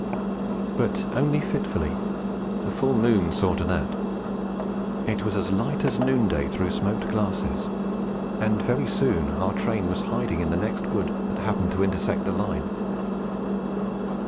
But only fitfully; the full moon saw to that. It was as light as noonday through smoked glasses, and very soon our train was hiding in the next wood that happened to intersect the line.